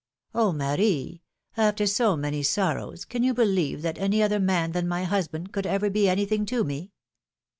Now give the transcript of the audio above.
^^Oh, Marie! after so many sorrows, can you believe that any other man than my husband could ever be any thing to me?